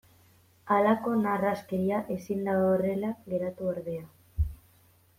Halako narraskeria ezin da horrela geratu ordea.